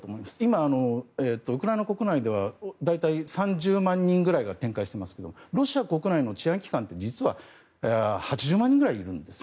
今、ウクライナ国内では大体、３０万人くらいが展開していますがロシア国内の治安機関って実は８０万人ぐらいいるんです。